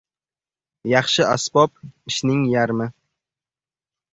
• Yaxshi asbob — ishning yarmi.